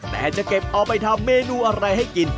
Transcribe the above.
แต่จะเก็บเอาไปทำเมนูอะไรให้กิน